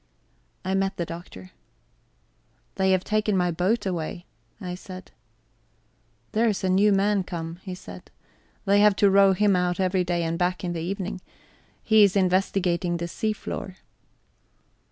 I met the Doctor. "They have taken my boat away," I said. "There's a new man come," he said. "They have to row him out every day and back in the evening. He's investigating the sea floor."